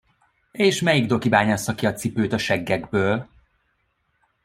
És melyik doki bányássza ki a cipőt a seggekből?